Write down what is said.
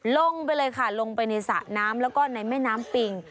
ลงไปเลยค่ะลงไปในสระน้ำแล้วก็ในแม่น้ำปิง